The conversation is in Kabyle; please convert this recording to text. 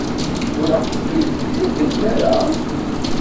Ur aɣ-ten-id-ttakent ara?